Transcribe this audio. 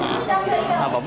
dari jam berapa